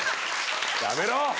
やめろ！